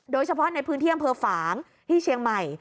โดยเฉพาะในพื้นที่อำเภอฝางที่เชียงใหม่